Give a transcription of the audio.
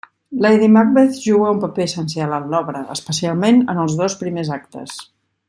Lady Macbeth juga un paper essencial en l'obra, especialment en els dos primers actes.